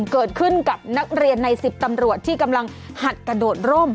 เกิดขึ้นกับนักเรียนใน๑๐ตำรวจที่กำลังหัดกระโดดร่ม